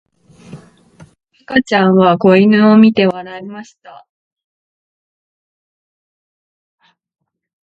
赤ちゃんは子犬を見て笑いました。